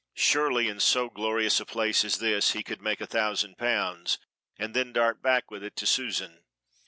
Surely in so glorious a place as this he could make a thousand pounds, and then dart back with it to Susan.